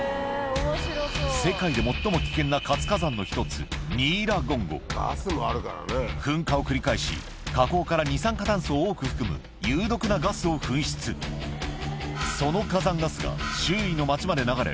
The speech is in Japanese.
世界で最も危険な活火山の１つ噴火を繰り返し火口から二酸化炭素を多く含む有毒なガスを噴出その火山ガスが周囲の町まで流れ